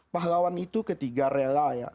pahlawan itu ketiga rela